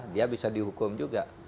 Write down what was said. dia bisa dihukum juga